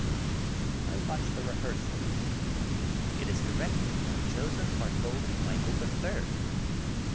I watch the rehearsal. It is directed by Joseph Bartholdi Micl^ael, the Third.